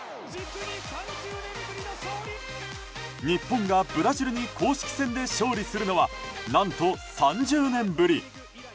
日本がブラジルに公式戦で勝利するのは何と、３０年ぶり。